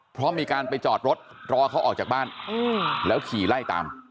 เพราะมีการไปจอดรถรอเขาออกจากบ้านแล้วขี่ไล่ตาม